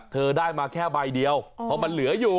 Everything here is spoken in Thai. เธอได้มาแค่ใบเดียวเพราะมันเหลืออยู่